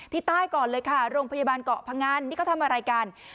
ใต้ก่อนเลยค่ะโรงพยาบาลเกาะพงันนี่เขาทำอะไรกัน